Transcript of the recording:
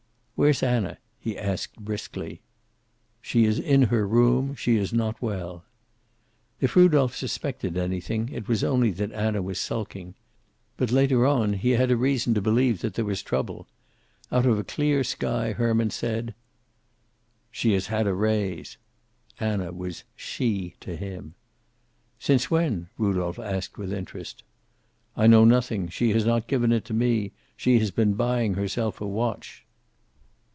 "Where's Anna?" he asked briskly. "She is in her room. She is not well." If Rudolph suspected anything, it was only that Anna was sulking. But later on he had reason to believe that there trouble. Out of a clear sky Herman said: "She has had a raise." Anna was "she" to him. "Since when?" Rudolph asked with interest. "I know nothing. She has not given it to me. She has been buying herself a watch."